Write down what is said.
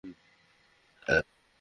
তার আত্মীয়দেরকে খবর দিয়েছ?